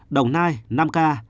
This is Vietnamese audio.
đồng nai năm ca